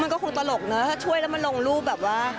มันก็คงตลกนะถ้าช่วยแล้วมันลงรูปแบบว่า